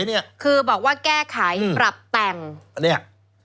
โดย